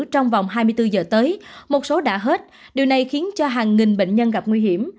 trong vòng hai mươi bốn giờ tới một số đã hết điều này khiến cho hàng nghìn bệnh nhân gặp nguy hiểm